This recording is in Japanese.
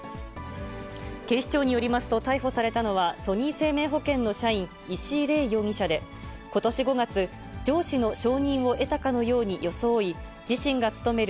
警視庁によりますと逮捕されたのは、ソニー生命保険の社員、石井伶容疑者で、ことし５月、上司の承認を得たかのように装い、自身が務める